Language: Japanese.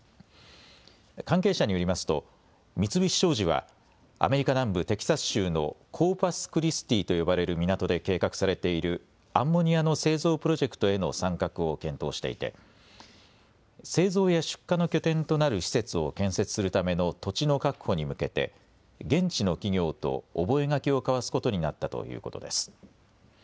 関係者によりますと三菱商事はアメリカ南部テキサス州のコーパスクリスティと呼ばれる港で計画されているアンモニアの製造プロジェクトへの参画を検討していて製造や出荷の拠点となる施設を建設するための土地の確保に向けて、現地の企業と覚書を交わすことになったということです。